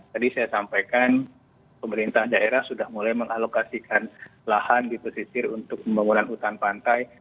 tadi saya sampaikan pemerintah daerah sudah mulai mengalokasikan lahan di pesisir untuk pembangunan hutan pantai